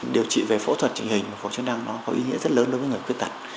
điều trị về phẫu thuật trình hình và phẫu chức năng nó có ý nghĩa rất lớn đối với người khuyết tật